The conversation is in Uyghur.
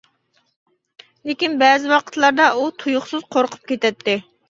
لېكىن بەزى ۋاقىتلاردا ئۇ تۇيۇقسىز قورقۇپ كېتەتتى.